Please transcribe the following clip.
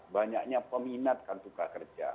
banyaknya peminat kartu pekerja